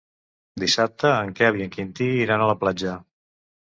Dissabte en Quel i en Quintí iran a la platja.